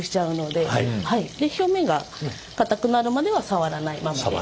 で表面がかたくなるまでは触らないままで。